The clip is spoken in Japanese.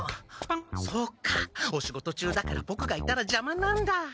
そうかお仕事中だからボクがいたらじゃまなんだ。